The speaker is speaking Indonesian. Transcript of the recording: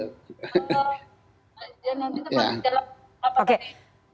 ya nanti tepat di dalam